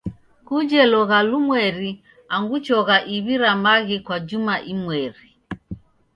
Kuje logha lumweri angu chogha iw'i ra maghi kwa juma imweri.